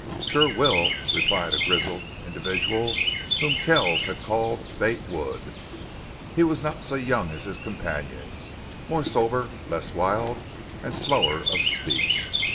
"Shore will," replied a grizzled individual whom Kells had called Bate Wood. He was not so young as his companions, more sober, less wild, and slower of speech.